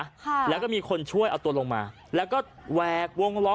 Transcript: กลับตัวลงมาแล้วก็แหวกวงล้อม